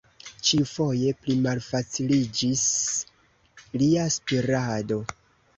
Ĉiufoje plimalfaciliĝis lia spirado.